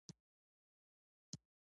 په سلو زرو ډالرو رایې نه اخلم.